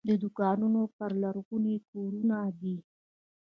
د دوکانونو پر لرغوني کورونه دي.